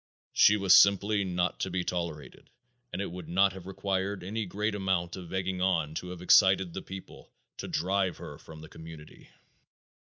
She was simply not to be tolerated and it would not have required any great amount of egging on to have excited the people to drive her from the community.